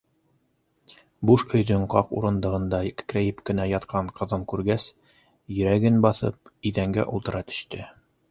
Буш өйҙөң ҡаҡ урындығында кәкрәйеп кенә ятҡан ҡыҙын күргәс, йөрәген баҫып, иҙәнгә ултыра төштө.